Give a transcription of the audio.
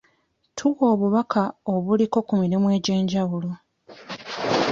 Tuwa obubaka obuliko ku mirimu egy'enjawulo.